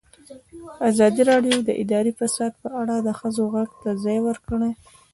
ازادي راډیو د اداري فساد په اړه د ښځو غږ ته ځای ورکړی.